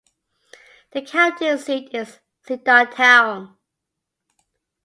The county seat is Cedartown.